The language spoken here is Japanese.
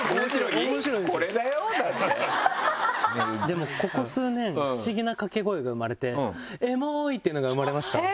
でもここ数年不思議な掛け声が生まれて「エモい！」っていうのが生まれました。